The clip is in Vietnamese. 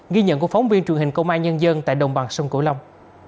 ghi nhận của phóng viên truyền hình công an nhân dân tại đồng bằng sông cửu long